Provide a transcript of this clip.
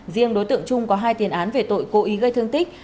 riêng đối tượng trung có hai tiền án về tội cố ý gây thương tích